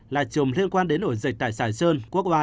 là trùng liên quan đến ổ dịch tại sài sơn